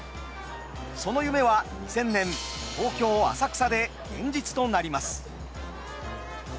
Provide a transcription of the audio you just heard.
その夢は２０００年東京・浅草で現実となります。